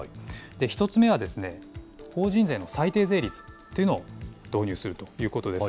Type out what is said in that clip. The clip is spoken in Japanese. １つ目は、法人税の最低税率というのを導入するということです。